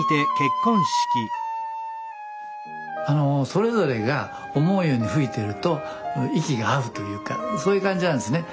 それぞれが思うように吹いてると息が合うというかそういう感じなんですね。